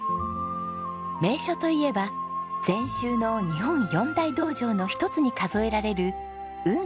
名所といえば禅宗の日本四大道場の一つに数えられる雲巌寺。